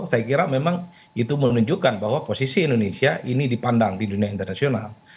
saya kira memang itu menunjukkan bahwa posisi indonesia ini dipandang di dunia internasional